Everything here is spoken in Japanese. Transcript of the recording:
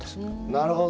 なるほど。